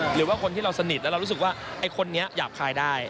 หรือว่าคนที่เราสนิทแล้วเรารู้สึกว่าไอ้คนนี้หยาบคายได้